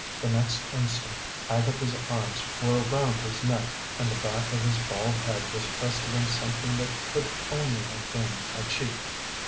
The next instant Agatha's arms were around his neck, and the back of his bald head was pressed against something that could only have been a cheek.